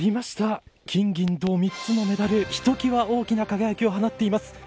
金、銀、銅、３つのメダルがひときわ大きな輝きを放っています。